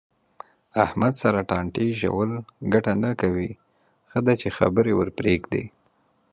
احمد سره ټانټې ژول گټه نه کوي. ښه ده چې خبره ورپرېږدې.